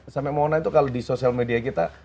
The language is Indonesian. sampe mona itu kalo di sosial media kita